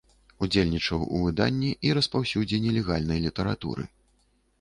Удзельнічаў у выданні і распаўсюдзе нелегальнай літаратуры.